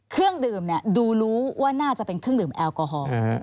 เครื่องดื่มดูรู้ว่าน่าจะเป็นเครื่องดื่มแอลกอฮอล์